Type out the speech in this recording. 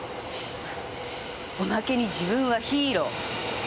おまけに自分はヒーロー。